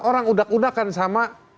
orang udak udakan sama